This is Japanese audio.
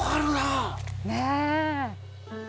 ねえ。